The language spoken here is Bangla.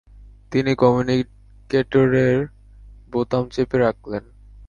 তিনি কম্যুনিকেটরের বোতাম চেপে রাখলেন।